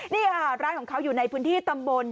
นี่ค่ะร้านของเขาอยู่ในพื้นที่ตำบล